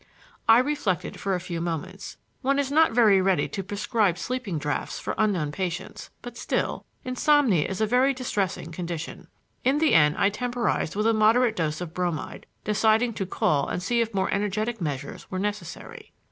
I reflected for a few moments. One is not very ready to prescribe sleeping draughts for unknown patients, but still, insomnia is a very distressing condition. In the end I temporized with a moderate dose of bromide, deciding to call and see if more energetic measures were necessary.